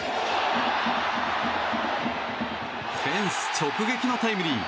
フェンス直撃のタイムリー！